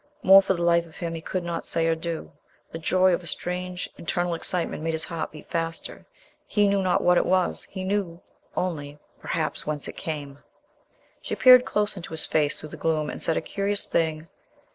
More, for the life of him, he could not say or do. The joy of a strange, internal excitement made his heart beat faster. He knew not what it was. He knew only, perhaps, whence it came. She peered close into his face through the gloom, and said a curious thing.